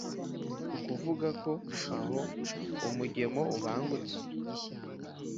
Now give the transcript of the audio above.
ukuvuga ko aho umugemo ubangutse